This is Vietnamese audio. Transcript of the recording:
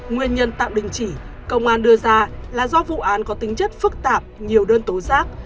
nguyên nhân tạm đình chỉ công an đưa ra là do vụ án có tính chất phức tạp nhiều đơn tố giác